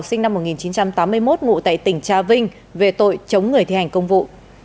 sinh năm một nghìn chín trăm tám mươi một ngụ tại tỉnh tra vinh về tội chống người thi hành công vụ